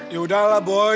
yaudah lah boy